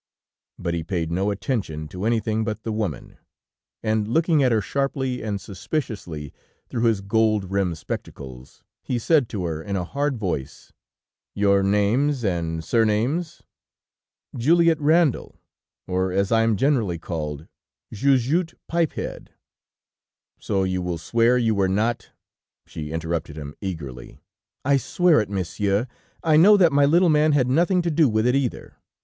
"But he paid no attention to anything but the woman, and looking at her sharply and suspiciously through his gold rimmed spectacles, he said to her in a hard voice: "'Your names and surnames?' "'Juliette Randal, or as I am generally called, Jujutte Pipehead.' "'So you will swear you were not ' "She interrupted him eagerly: "'I swear it, monsieur, and I know that my little man had nothing to do with it either.